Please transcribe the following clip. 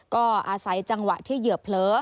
ก็อาศัยจังหวะที่เหยื่อเผลอ